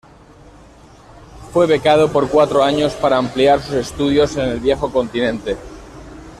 Fue becado por cuatro años para ampliar sus estudios en el viejo continente.